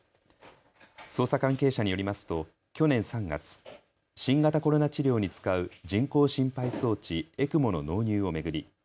捜査関係者によりますと去年３月、新型コロナ治療に使う人工心肺装置・ＥＣＭＯの納入を巡り